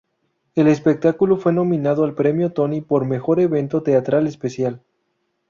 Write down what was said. El espectáculo fue nominado al premio Tony por Mejor evento teatral especial.